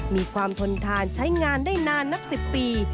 มีความทนทานใช้งานได้นานนับ๑๐ปี